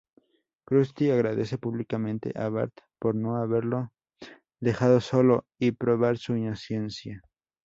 Krusty agradece públicamente a Bart por no haberlo dejado solo y probar su inocencia.